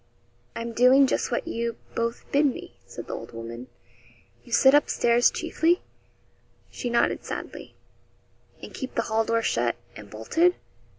'I'm doing just what you both bid me,' said the old woman. 'You sit up stairs chiefly?' She nodded sadly. 'And keep the hall door shut and bolted?'